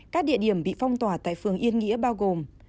các địa điểm bị phong tỏa tại phường yên nghĩa bao gồm